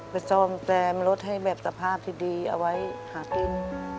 ซ่อมแซมรถให้แบบสภาพที่ดีเอาไว้หากิน